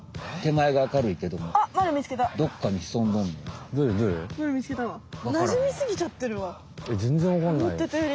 えっ全然わかんない。